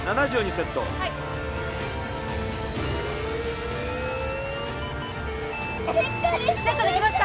セットできました！